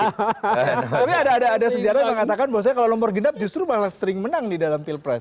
tapi ada sejarah yang mengatakan bahwasanya kalau nomor genap justru malah sering menang di dalam pilpres